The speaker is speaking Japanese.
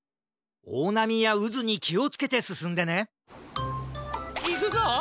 おおなみやうずにきをつけてすすんでねいくぞ！